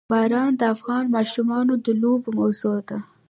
باران د افغان ماشومانو د لوبو موضوع ده.